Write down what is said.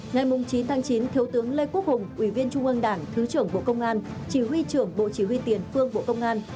ngày chín tháng chín thiếu tướng lê quốc hùng ủy viên trung ương đảng thứ trưởng bộ công an chỉ huy trưởng bộ chỉ huy tiền phương bộ công an